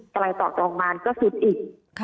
ต่อไปต่อโรงพยาบาลก็สุดอีก